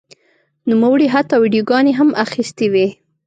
نوموړي حتی ویډیوګانې هم اخیستې وې.